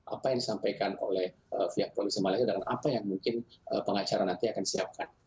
apa yang disampaikan oleh pihak polisi malaysia dengan apa yang mungkin pengacara nanti akan siapkan